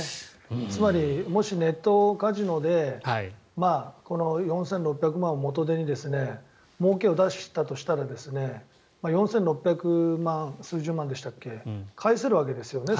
つまり、もしネットカジノで４６３０万円を元手にもうけを出したとしたら４６３０万円を返せるわけですよね